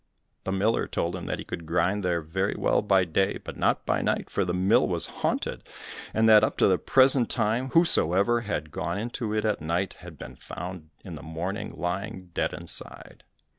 The miller told him that he could grind there very well by day, but not by night, for the mill was haunted, and that up to the present time whosoever had gone into it at night had been found in the morning lying dead inside.